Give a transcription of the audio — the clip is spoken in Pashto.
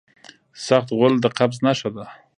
سخت غول د قبض نښه ده.